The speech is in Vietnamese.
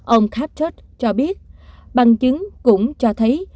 ông karpchuk cho biết bằng chứng cũng cho thấy